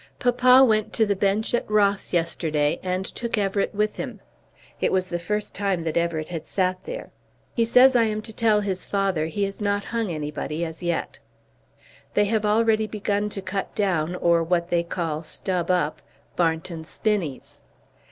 Papa went to the bench at Ross yesterday and took Everett with him. It was the first time that Everett had sat there. He says I am to tell his father he has not hung anybody as yet. They have already begun to cut down, or what they call stubb up, Barnton Spinnies.